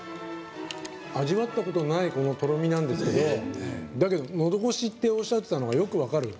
味わったことないとろみなんですけどだけど、のどごしっておっしゃってたのがよく分かる。